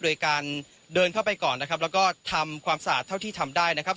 โดยการเดินเข้าไปก่อนนะครับแล้วก็ทำความสะอาดเท่าที่ทำได้นะครับ